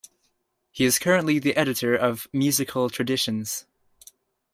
He is currently the editor of "Musical Traditions".